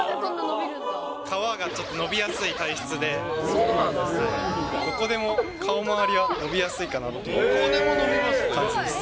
皮がちょっと伸びやすい体質で、どこでも顔周りは伸びやすいかなっていう感じです。